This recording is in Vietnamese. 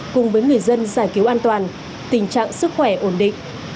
cùng với người dân giải cứu an toàn tình trạng sức khỏe ổn định